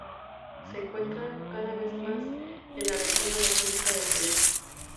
Se encuentra cada vez más en la región amazónica del Perú.